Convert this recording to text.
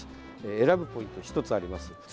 選ぶポイント、１つあります。